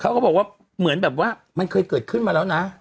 เขาก็บอกว่าเหมือนแบบว่ามันเคยเกิดขึ้นมาแล้วนะ